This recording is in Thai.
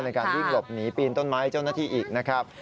ในการวิ่งหลบหนีปีนต้นไม้เจ้าหน้าที่อีกนะครับ